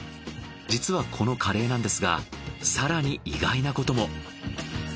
実はこのカレーなんですが更に意外なことも。